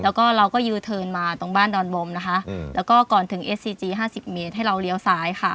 แล้วก็เราก็ยูเทิร์นมาตรงบ้านดอนบอมนะคะแล้วก็ก่อนถึงเอสซีจี๕๐เมตรให้เราเลี้ยวซ้ายค่ะ